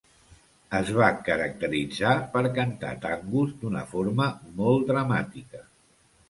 Es va caracteritzar per cantar tangos d'una forma molt dramàtica.